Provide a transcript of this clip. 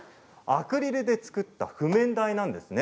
アクリルで作った譜面台なんです。